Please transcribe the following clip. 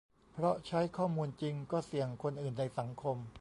เพราะใช้ข้อมูลจริง ก็เสี่ยงคนอื่นในสังคม